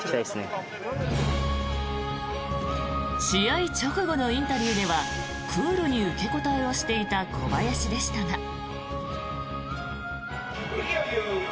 試合直後のインタビューではクールに受け答えしていた小林でしたが。